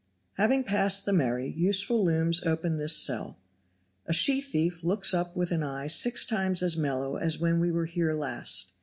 Having passed the merry, useful looms open this cell. A she thief looks up with an eye six times as mellow as when we were here last.